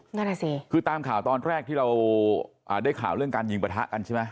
นั่นอ่ะสิคือตามข่าวตอนแรกที่เราได้ข่าวเรื่องการยิงประทะกันใช่ไหม